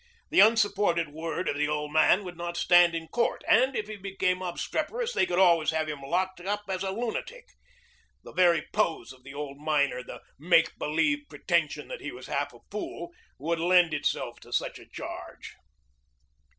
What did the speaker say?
The unsupported word of the old man would not stand in court, and if he became obstreperous they could always have him locked up as a lunatic. The very pose of the old miner the make believe pretension that he was half a fool would lend itself to such a charge.